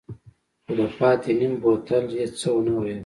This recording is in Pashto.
خو د پاتې نيم بوتل يې څه ونه ويل.